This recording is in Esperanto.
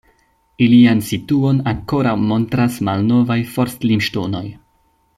Ilian situon ankoraŭ montras malnovaj forst-limŝtonoj.